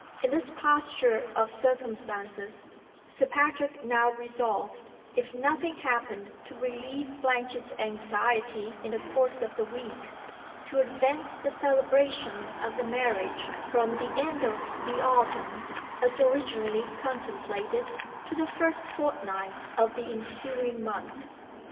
In this posture of circumstances, Sir Patrick now resolved if nothing happened to relieve Blanche's anxiety in the course of the week to advance the celebration of the marriage from the end of the autumn (as originally contemplated) to the first fortnight of the ensuing month.